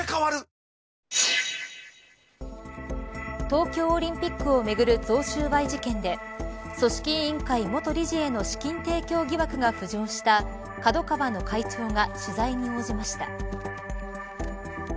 東京オリンピックをめぐる贈収賄事件で組織委員会元理事への資金提供疑惑が浮上したＫＡＤＯＫＡＷＡの会長が取材に応じました。